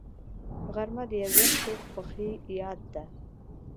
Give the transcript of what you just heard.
غرمه د یووختي خوښۍ یاد ده